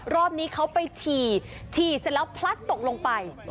รอบนี้เขาไปฉี่ฉี่เสร็จแล้วพลัดตกลงไป